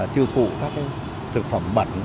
tiêu thụ các thực phẩm bẩn